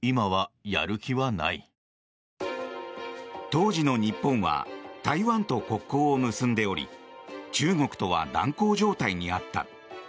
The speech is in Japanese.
当時の日本は台湾と国交を結んでおり中国とは断交状態にあった。